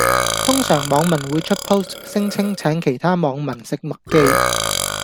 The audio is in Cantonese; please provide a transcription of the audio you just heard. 通常網民會出 Post 聲稱請其他網民食麥記